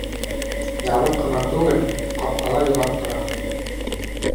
Ябыҡ ҡына түгел, ҡапҡала йоҙаҡ тора!